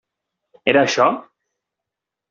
Era això?